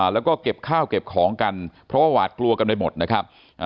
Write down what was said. แล้วก็เก็บข้าวเก็บของกันเพราะว่าหวาดกลัวกันไปหมดนะครับ